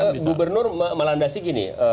pak gubernur melandasi gini